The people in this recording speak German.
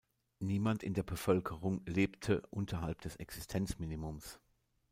Niemand in der Bevölkerung lebte unterhalb des Existenzminimums.